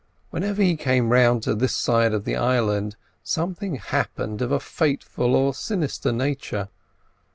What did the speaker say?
Whenever he came round to this side of the island, something happened of a fateful or sinister nature.